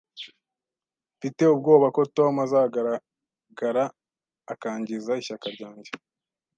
Mfite ubwoba ko Tom azagaragara akangiza ishyaka ryanjye